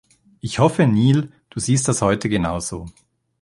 Ich hoffe, Neil, Du siehst das heute genauso.